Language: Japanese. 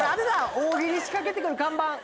「大喜利仕掛けてくる看板」